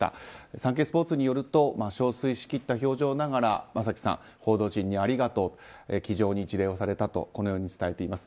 サンケイスポーツによると憔悴しきった表情ながら正輝さん、報道陣にありがとうと気丈に一礼をされたと伝えています。